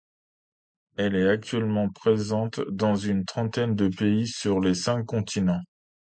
Elle est actuellement présente dans une trentaine de pays sur les cinq continents.